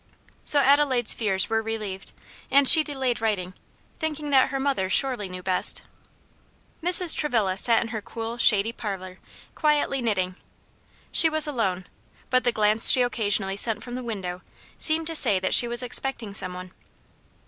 So Adelaide's fears were relieved, and she delayed writing, thinking that her mother surely knew best. Mrs. Travilla sat in her cool, shady parlor, quietly knitting. She was alone, but the glance she occasionally sent from the window seemed to say that she was expecting some one.